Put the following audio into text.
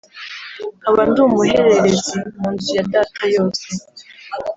nkaba ndi umuhererezi munzu ya data yose